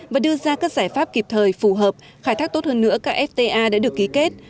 và đưa ra các giải pháp kịp thời phù hợp khai thác tốt hơn nữa các fta đã được ký kết